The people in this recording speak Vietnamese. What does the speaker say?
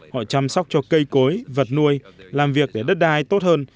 họ chăm sóc cho cây cối vật nuôi làm việc để đất đai tốt hơn